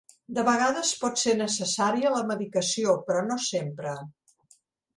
De vegades pot ser necessària la medicació, però no sempre.